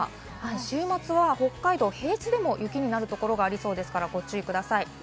週末は北海道平地でも雪になるところがありそうですからご注意ください。